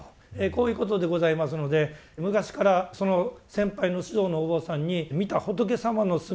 こういうことでございますので昔からその先輩の指導のお坊さんに見た仏様の姿状況